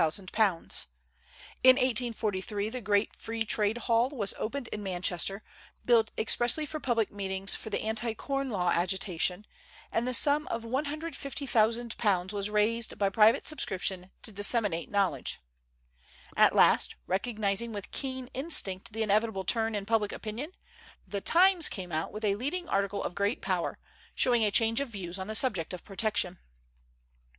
In 1843 the great Free Trade Hall was opened in Manchester, built expressly for public meetings for the anti corn law agitation, and the sum of £150,000 was raised by private subscription to disseminate knowledge. At last, recognizing with keen instinct the inevitable turn in public opinion, the "Times" came out with a leading article of great power, showing a change of views on the subject of protection.